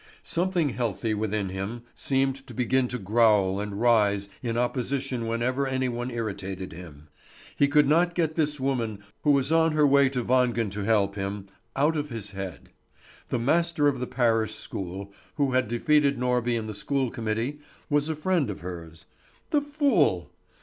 Something healthy within him seemed to begin to growl and rise in opposition whenever any one irritated him. He could not get this woman, who was on her way to Wangen to help him, out of his head. The master of the parish school, who had defeated Norby in the school committee, was a friend of hers. The fool!